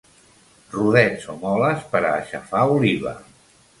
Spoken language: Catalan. Rodets o moles per a aixafar oliva.